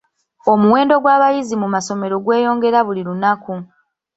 Omuwendo gw'abayizi mu masomero gweyongera buli lunaku.